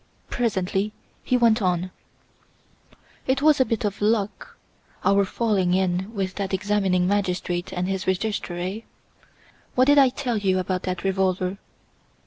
Presently he went on: "It was a bit of luck, our falling in with that examining magistrate and his Registrar, eh? What did I tell you about that revolver?"